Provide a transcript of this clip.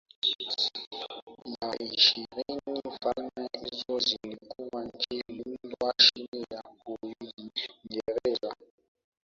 ya ishirini Falme hizo zilikuwa nchi lindwa chini ya Uingereza